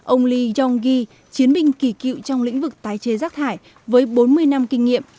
ông lee jong gi chiến binh kỳ cựu trong lĩnh vực tái chế rác thải với bốn mươi năm kinh nghiệm